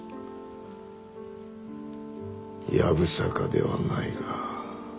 やぶさかではないが。